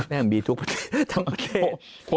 แปลว่ามีทุกประเทศ